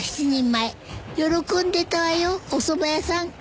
人前喜んでたわよおそば屋さん。